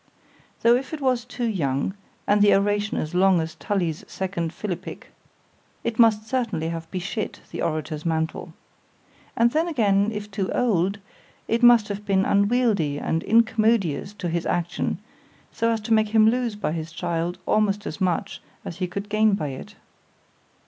—Tho' if it was too young, and the oration as long as Tully's second Philippick—it must certainly have beshit the orator's mantle.—And then again, if too old,—it must have been unwieldly and incommodious to his action—so as to make him lose by his child almost as much as he could gain by it.